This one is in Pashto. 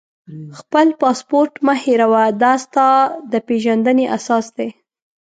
خپل پاسپورټ مه هېروه، دا ستا د پېژندنې اساس دی.